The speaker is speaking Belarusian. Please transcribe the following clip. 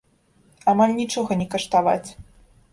Амаль нічога не каштаваць.